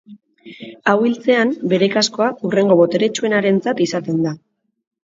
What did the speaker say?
Hau hiltzean, bere kaskoa hurrengo boteretsuenarentzat izaten da.